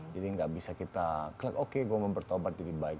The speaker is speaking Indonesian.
jadi gak bisa kita klik oke gue mau bertobat jadi baik